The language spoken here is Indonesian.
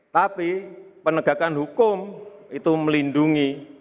tapi penegakan hukum itu melindungi